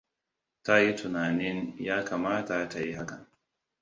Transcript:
Ta yi tunananin ya kamata ta yi hakan.